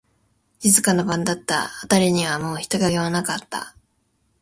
静かな晩だった。あたりにはもう人影はなかった。